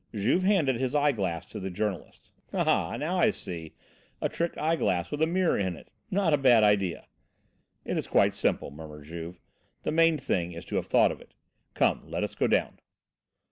Juve handed his eye glass to the journalist. "Ah! Now I see! A trick eye glass, with a mirror in it not a bad idea." "It is quite simple," murmured Juve. "The main thing is to have thought of it. Come, let us go down."